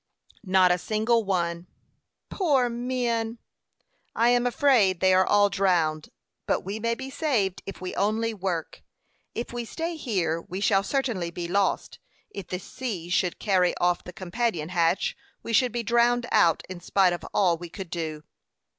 "Not a single one." "Poor men!" "I am afraid they are all drowned; but we may be saved if we only work. If we stay here we shall certainly be lost. If the sea should carry off the companion hatch, we should be drowned out in spite of all we could do."